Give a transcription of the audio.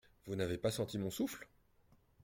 Vous n’avez pas senti mon souffle ?